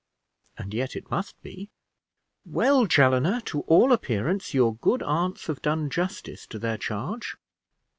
And yet it must be. Well, Chaloner, to all appearance, your good aunts have done justice to their charge."